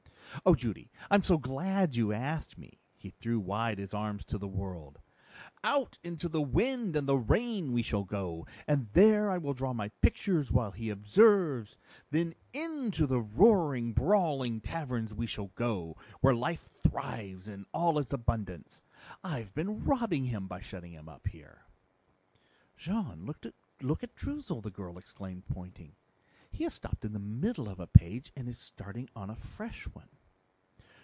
"Oh, Judy, I'm so glad you asked me!" He threw wide his arms to the world. "Out into the wind and the rain we shall go, and there I will draw my pictures while he observes; then into the roaring, brawling taverns we shall go, where life thrives in all its abundance. I've been robbing him by shutting him up here." "Jean, look at Droozle," the girl exclaimed, pointing. "He has stopped in the middle of a page and is starting on a fresh one."